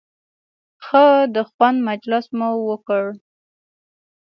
ښه د خوند مجلس مو وکړ.